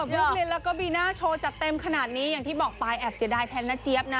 ลูกลินแล้วก็บีน่าโชว์จัดเต็มขนาดนี้อย่างที่บอกไปแอบเสียดายแทนนะเจี๊ยบนะ